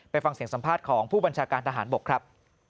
ฟังเสียงสัมภาษณ์ของผู้บัญชาการทหารบกครับ